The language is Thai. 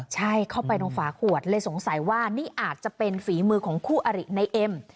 ใช่เข้าไปตรงฝาขวดเลยสงสัยว่านี่อาจจะเป็นฝีมือของคู่อริในเอ็ม